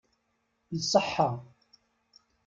Iṣeḥḥa!